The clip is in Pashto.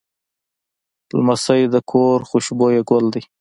لمسی د کور خوشبویه ګل وي.